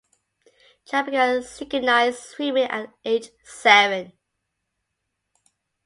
Chan began synchronized swimming at age seven.